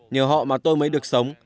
nhiều họ mà tôi mới được sống